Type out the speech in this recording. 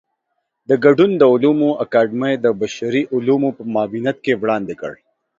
په ګډون د علومو اکاډمۍ د بشري علومو په معاونيت کې وړاندې کړ.